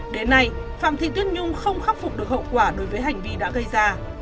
đến nay phạm thị tuyết nhung không khắc phục được hậu quả đối với hành vi đã gây ra